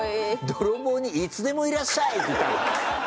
泥棒に「いつでもいらっしゃい！」って言ったの？